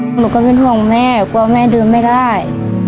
หนูก็เป็นห่วงแม่กลัวแม่เดินไม่ได้